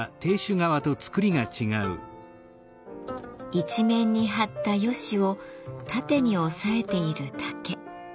一面に張った葦を縦に押さえている竹。